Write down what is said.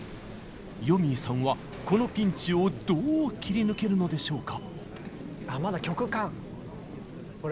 よみぃさんはこのピンチをどう切り抜けるのでしょうか。